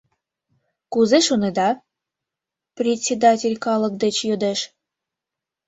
Кузе шонеда? — председатель калык деч йодеш.